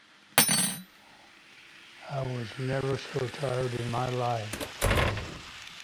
I was never so tired in my life.